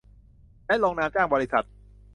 และลงนามจ้างบริษัท